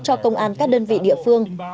cho công an các đơn vị địa phương